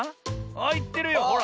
あっいってるよほら。